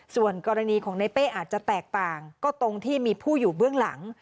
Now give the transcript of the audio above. ส่วนกรณีของในเป้อาจจะแตกต่างก็ตรงที่มีผู้อยู่เบื้องหลัง